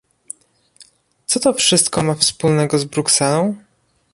co to wszystko ma wspólnego z Brukselą?